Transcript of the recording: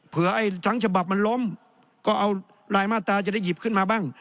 ไอ้ทั้งฉบับมันล้มก็เอารายมาตราจะได้หยิบขึ้นมาบ้าง